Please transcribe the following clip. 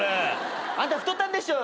あんた太ったんでしょ。